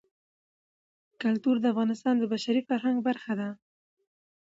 کلتور د افغانستان د بشري فرهنګ برخه ده.